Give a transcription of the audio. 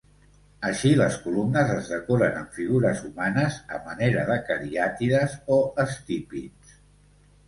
Així, les columnes es decoren amb figures humanes a manera de cariàtides o estípits.